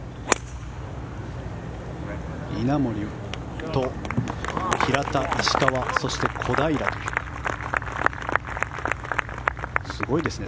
稲森と平田、石川そして小平とすごいですね。